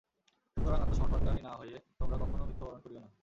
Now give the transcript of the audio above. সুতরাং আত্মসমর্পণকারী না হয়ে তোমরা কখনও মৃত্যুবরণ করিও না।